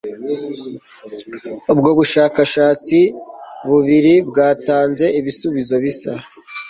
Ubwo bushakashatsi bubiri bwatanze ibisubizo bisa